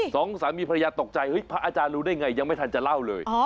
สองสามีภรรยาตกใจเฮ้ยพระอาจารย์รู้ได้ไงยังไม่ทันจะเล่าเลย